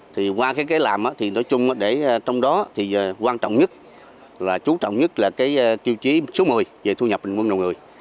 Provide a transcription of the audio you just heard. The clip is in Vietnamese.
thì qua cái làm thì nói chung để trong đó thì quan trọng nhất là chú trọng nhất là cái tiêu chí số một mươi về thu nhập bình quân đầu người